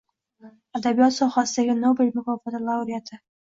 Adabiyot sohasidagi Nobel mukofoti laureati